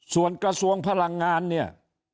ส่วนกระทรวงพลังงานเนี่ย